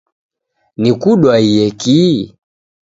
Nikudwaiye kii